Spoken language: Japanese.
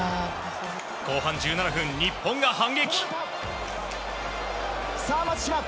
後半１７分、日本が反撃！